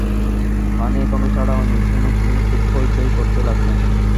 পানি এখনো ছাড়া হয় নি শুনে তিনি খুব হৈচৈ করতে লাগলেন।